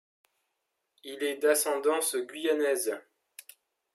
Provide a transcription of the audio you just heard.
Il est d'ascendance guyanaise.